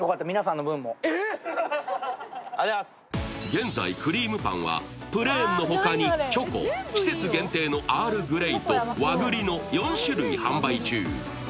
現在クリームパンはプレーンのほかにチョコ、季節限定のアールグレイと和栗の４種類販売中。